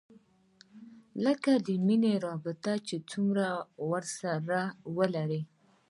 لکه د مينې رابطه چې ورسره ولري.